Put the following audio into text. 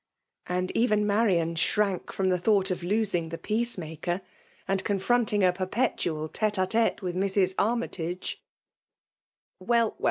*' And oven Marian shrank from the thought of losing the peace maker, and confronting a perpetual iiie a^tete with Mrs. Armytage \*' Well» well